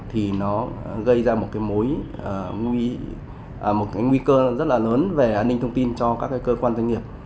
thì nó gây ra một nguy cơ rất là lớn về an ninh thông tin cho các cơ quan doanh nghiệp